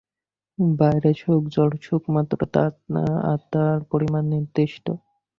বাইরের সুখ জড়সুখ মাত্র, আর তার পরিমাণ নির্দিষ্ট।